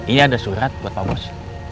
iya ada surat buat pak bos